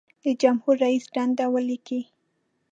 د جمهور رئیس دندې ولیکئ.